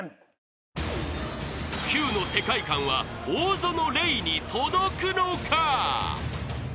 ［キュウの世界観は大園玲に届くのか？］